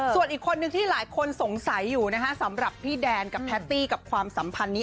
ส่วนอีกคนนึงที่หลายคนสงสัยอยู่นะคะสำหรับพี่แดนกับแพตตี้กับความสัมพันธ์นี้